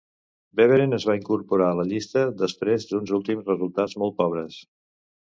Beveren es va incorporar a la llista després d'uns últims resultats molt pobres.